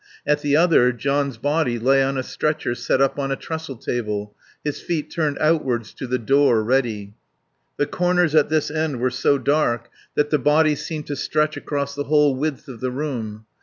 At the other John's body lay on a stretcher set up on a trestle table, his feet turned outwards to the door, ready. The corners at this end were so dark that the body seemed to stretch across the whole width of the room.